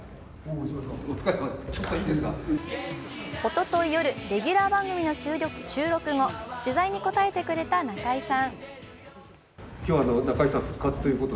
おととい夜、レギュラー番組の収録後、取材に応えてくれた中居さん。